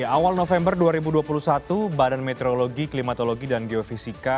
awal november dua ribu dua puluh satu badan meteorologi klimatologi dan geofisika